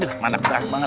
aduh manap banget